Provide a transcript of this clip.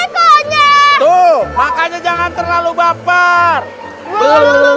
kalau saja dia ke tempat ibu kekenangan